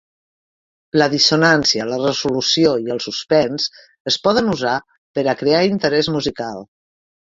La dissonància, la resolució i el suspens es poden usar per a crear interès musical.